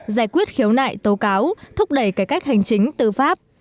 giải quyết khiếu nại tố cáo thúc đẩy cải cách hành chính tư pháp